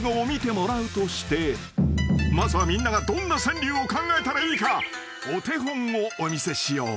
［まずはみんながどんな川柳を考えたらいいかお手本をお見せしよう］